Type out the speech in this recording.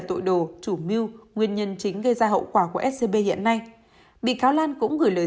tội đồ chủ mưu nguyên nhân chính gây ra hậu quả của scb hiện nay bị cáo lan cũng gửi lời